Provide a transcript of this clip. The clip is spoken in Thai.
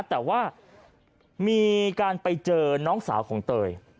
แต่ว่ามีการไปเจอน้องสาวของเตย